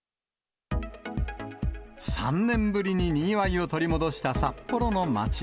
３年ぶりににぎわいを取り戻した札幌の街。